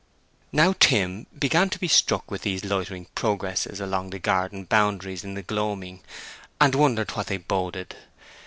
Now Tim began to be struck with these loitering progresses along the garden boundaries in the gloaming, and wondered what they boded.